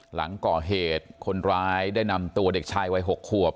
หลังก่อเหตุคนร้ายได้นำตัวเด็กชายวัย๖ขวบ